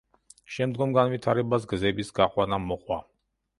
შემდგომ განვითარებას გზების გაყვანა მოჰყვა.